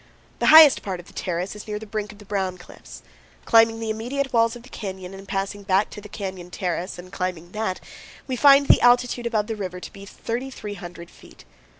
The highest part of the terrace is near the brink of the Brown Cliffs. Climbing the immediate walls of the canyon and passing back to the canyon terrace and climbing that, we find the altitude above the river to be 3,300 feet.